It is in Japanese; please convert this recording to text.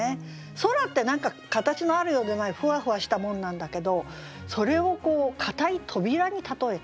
空って何か形のあるようでないふわふわしたものなんだけどそれを硬い扉に例えた。